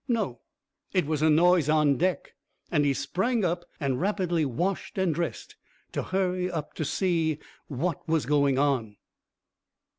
No, it was a noise on deck; and he sprang up and rapidly washed and dressed, to hurry up to see what was going on.